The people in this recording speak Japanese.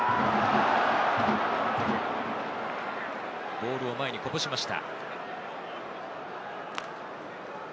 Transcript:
ボールを前にこぼしました。